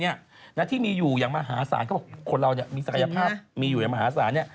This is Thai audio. ที่มีอยู่อย่างมหาศาลเขาบอกคนเรามีศักยภาพมีอยู่อย่างมหาศาล